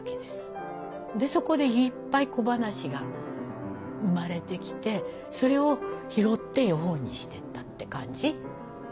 そこでいっぱい小ばなしが生まれてきてそれを拾って絵本にしてったって感じ。